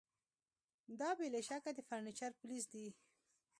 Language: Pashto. دا بې له شکه د فرنیچر پولیس دي